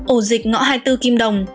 ổ dịch ngõ hai mươi bốn kim đồng